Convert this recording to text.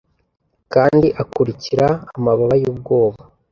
kandi akurikira amababa yubwoba.